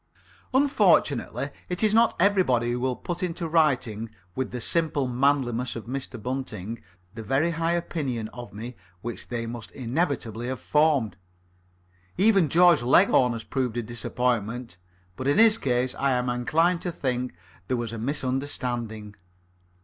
Unfortunately, it is not everybody who will put into writing, with the simple manliness of Mr. Bunting, the very high opinion of me which they must inevitably have formed. Even George Leghorn has proved a disappointment. But in his case I am inclined to think there was a misunderstanding.